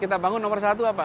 kita bangun nomor satu apa